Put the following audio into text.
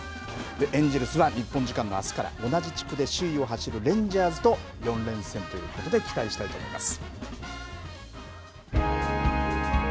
エンジェルスは日本時間のあすから同じ地区で首位を走るレンジャーズと４連戦ということで、期待したいと思います。